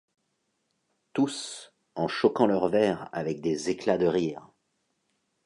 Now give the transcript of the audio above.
Tous, en choquant leurs verres avec des éclats de rire.